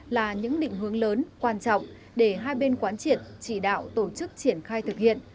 là những định hướng lớn quan trọng để hai bên quán triệt chỉ đạo tổ chức triển khai thực hiện